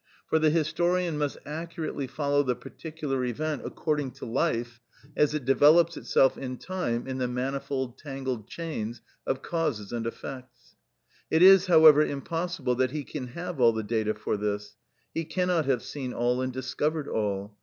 For the historian must accurately follow the particular event according to life, as it develops itself in time in the manifold tangled chains of causes and effects. It is, however, impossible that he can have all the data for this; he cannot have seen all and discovered all.